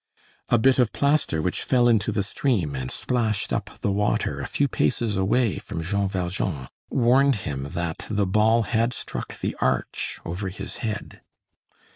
A bit of plaster which fell into the stream and splashed up the water a few paces away from Jean Valjean, warned him that the ball had struck the arch over his head.